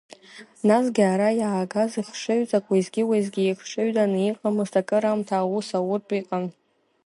Насгьы ара иаагаз ихшыҩҵак уеизгьы-уеизгьы ихшыҩданы иҟамызт акыраамҭа аус ауртә иҟан.